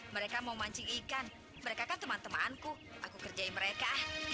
mereka mau mancing ikan mereka kan teman temanku aku kerjain mereka